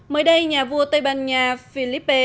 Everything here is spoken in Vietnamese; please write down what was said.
mới đây nhà vua tây ban nha felipe